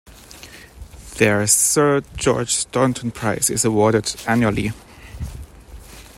Their Sir George Staunton prize is awarded annually.